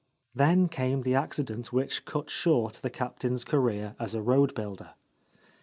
Then came the accident which cut short the Captain's career as a roadbuilder..